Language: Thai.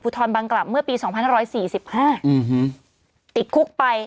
พุทธอลบังกลับเมื่อปีสองพันห้าร้อยสี่สิบห้าอืมฮือติดคลุกไป